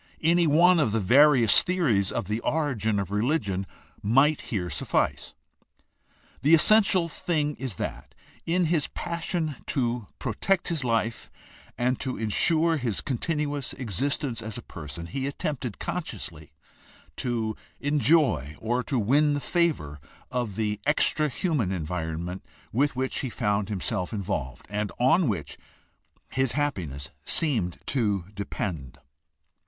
Any one of the various theories of the origin of religion might here suffice. The essential thing is that, in his passion to protect his life and to insure his continuous existence as a person, he attempted consciously to enjoy or to win the favor of the extra human environment with which he found himself involved and on which his happiness seemed to depend.